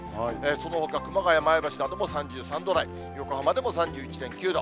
そのほか熊谷、前橋なども３３度台、横浜でも３１．９度。